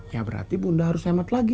ya berarti bunda harus hemat lagi